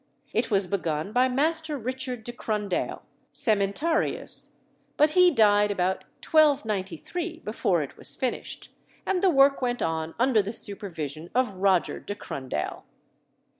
It was begun by Master Richard de Crundale, "cementarius," but he died about 1293, before it was finished, and the work went on under the supervision of Roger de Crundale.